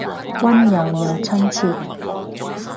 溫柔又親切